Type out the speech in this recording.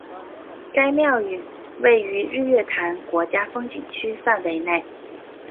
该庙宇位于日月潭国家风景区范围内。